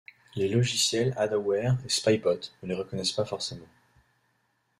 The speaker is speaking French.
Les logiciels Ad-Aware et Spybot ne le reconnaissent pas forcément.